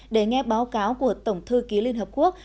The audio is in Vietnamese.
để nghe báo cáo của tổng thư ký liên hợp quốc